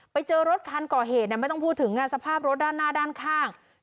ไปเจอรถคันก่อเหตุไม่ต้องพูดถึงสภาพรถด้านหน้าด้านข้าง